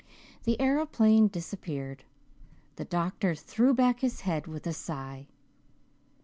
The aeroplane disappeared. The doctor threw back his head with a sigh.